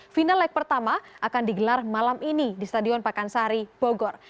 final leg pertama akan digelar malam ini di stadion pakansari bogor